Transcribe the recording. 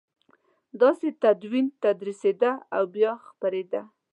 داسې تدین تدریسېده او بیا خپرېده.